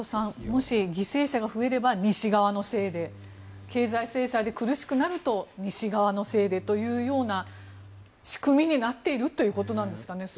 もし犠牲者が増えれば西側のせいで経済制裁で苦しくなると西側のせいでというような仕組みになっているということなんですかね。